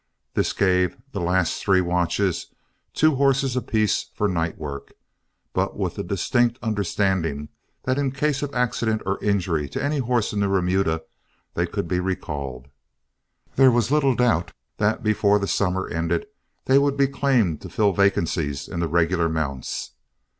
This gave the last three watches two horses apiece for night work, but with the distinct understanding that in case of accident or injury to any horse in the remuda, they could be recalled. There was little doubt that before the summer ended, they would be claimed to fill vacancies in the regular mounts.